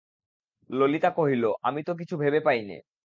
ললিতা কহিল, আমি তো কিছু ভেবে পাই নে।